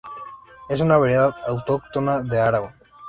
Es una variedad autóctona de Aragón.